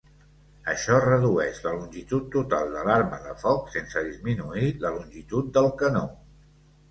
Això redueix la longitud total de l'arma de foc sense disminuir la longitud del canó.